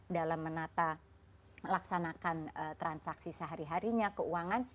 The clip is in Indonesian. dalam menata melaksanakan transaksi sehari harinya keuangan